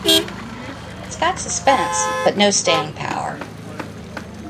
It's got suspense but no staying power.